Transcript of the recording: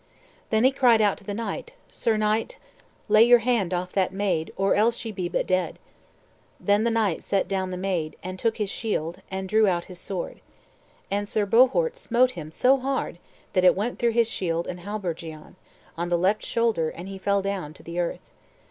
Then he cried out to the knight, "Sir knight, lay your hand off that maid, or else ye be but dead." Then the knight set down the maid, and took his shield, and drew out his sword. And Sir Bohort smote him so hard that it went through his shield and habergeon, on the left shoulder, and he fell down to the earth.